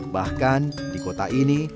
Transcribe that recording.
bahkan di kota ini